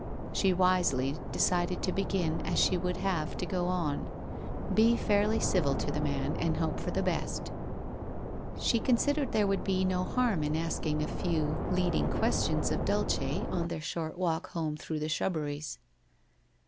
She wisely decided to begin as she would have to go on, be fairly civil to the man and hope for the best. She considered there would be no harm in asking a few lead 56 WHITE ROSE OF WEARY LEAF ing questions of Dulce on their short walk home through the shrubberies.